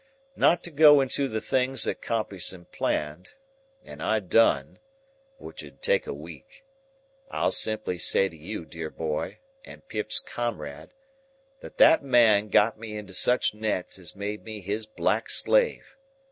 "Not to go into the things that Compeyson planned, and I done—which 'ud take a week—I'll simply say to you, dear boy, and Pip's comrade, that that man got me into such nets as made me his black slave.